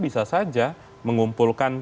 bisa saja mengumpulkan